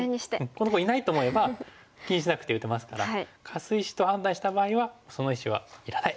この子いないと思えば気にしなくて打てますからカス石と判断した場合はその石はいらない。